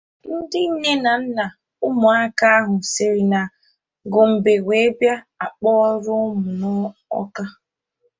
ndị nne na nna ụmụaka ahụ siri na Gombe wee bịa kpọrọ ụmụ n'Awka